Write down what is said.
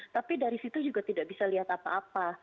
tapi dari situ juga tidak bisa lihat apa apa